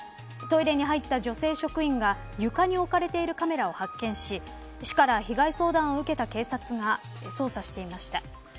トイレに入った女性職員が床に置かれているカメラを発見し市から被害相談を受けた警察が捜査していました。